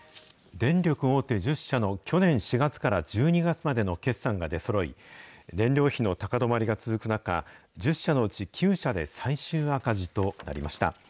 電力大手１０社の去年４月から１２月までの決算が出そろい、燃料費の高止まりが続く中、１０社のうち９社で最終赤字となりました。